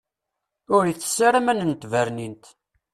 Ur itess ara aman n tbernint.